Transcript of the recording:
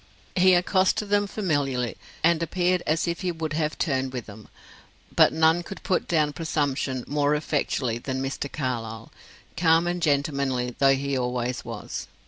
He accosted them familiarly, and appeared as if he would have turned with them; but none could put down presumption more effectually than Mr. Carlyle, calm and gentlemanly though he always was.